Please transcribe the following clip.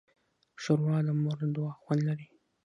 ښوروا د مور د دعا خوند لري.